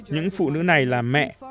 những phụ nữ này là mẹ